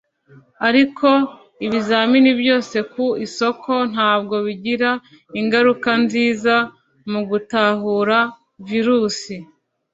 Ariko ibizamini byose ku isoko ntabwo bigira ingaruka nziza mugutahura virusi.